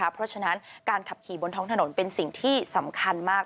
เพราะฉะนั้นการขับขี่บนท้องถนนเป็นสิ่งที่สำคัญมาก